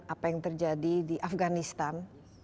apa yang terjadi di afganistan